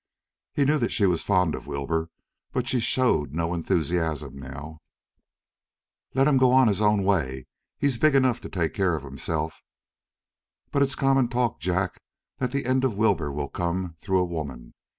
He knew that she was fond of Wilbur, but she showed no enthusiasm now. "Let him go his own way. He's big enough to take care of himself." "But it's common talk, Jack, that the end of Wilbur will come through a woman.